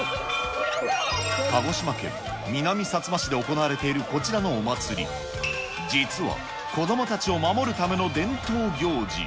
鹿児島県南さつま市で行われているこちらのお祭り、実は、子どもたちを守るための伝統行事。